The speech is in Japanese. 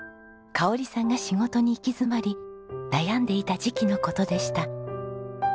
香織さんが仕事に行き詰まり悩んでいた時期の事でした。